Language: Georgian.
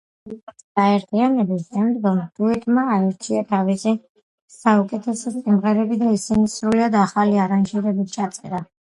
გაერთიანების შემდგომ დუეტმა აირჩია თავისი საუკეთესო სიმღერები და ისინი სრულიად ახალი არანჟირებით ჩაწერა.